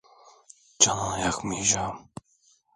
Canını yakmayacağım.